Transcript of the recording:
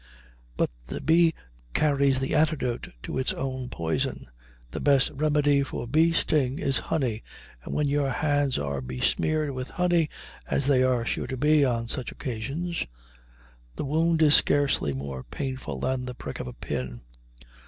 But the bee carries the antidote to its own poison. The best remedy for bee sting is honey, and when your hands are besmeared with honey, as they are sure to be on such occasions, the wound is scarcely more painful than the prick of a pin.